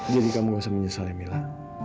jadi kamu nggak usah menyesal ya mila